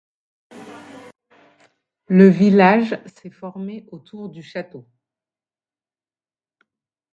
Le village s'est formé autour du château.